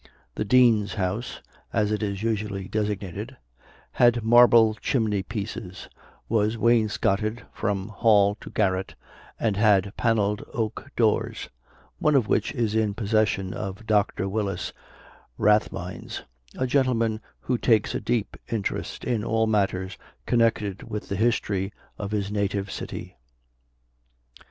The "Dean's House," as it is usually designated, had marble chimney pieces, was wainscotted from hall to garret, and had panelled oak doors, one of which is in possession of Doctor Willis, Rathmines a gentleman who takes a deep interest in all matters connected with the history of his native city.